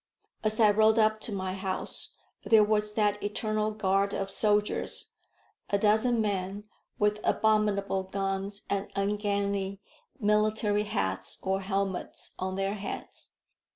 As I rode up to my house there was that eternal guard of soldiers, a dozen men, with abominable guns and ungainly military hats or helmets on their heads.